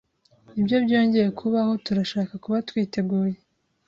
Niba byongeye kubaho, turashaka kuba twiteguye.